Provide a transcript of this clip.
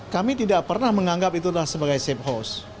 kami tidak pernah menganggap itu adalah sebagai safe house